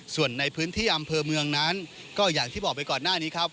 ส่วนในพื้นที่อำเภอเมืองนั้นก็อย่างที่บอกไปก่อนหน้านี้ครับ